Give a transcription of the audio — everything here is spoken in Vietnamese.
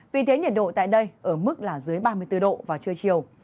vì thế nhiệt độ tại đây ở mức là dưới ba mươi bốn độ vào trưa chiều